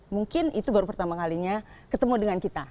mungkin itu baru pertama kalinya ketemu dengan kita